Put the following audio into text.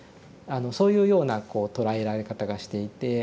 そういうようなこう捉えられ方がしていて。